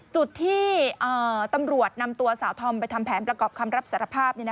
จุดที่ตำรวจนำตัวสาวธอมไปทำแผนประกอบคำรับสารภาพ